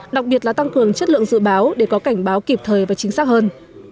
đặc biệt là tăng cường chất lượng dự báo để có cảnh báo kịp thời và chính xác hơn